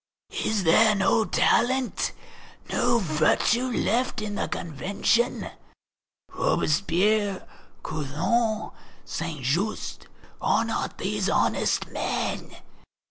Is there no talent, no virtue left in the Convention? Robespierre, Couthon, Saint Just, are not these honest men?